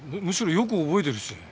むしろよく覚えてるし。